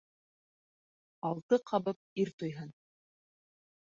Алты ҡабып ир туйһын